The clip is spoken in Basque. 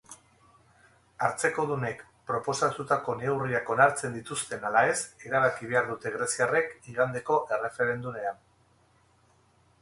Hartzekodunek proposatutako neurriak onartzen dituzten ala ez erabaki behar dute greziarrek igandeko erreferendumean.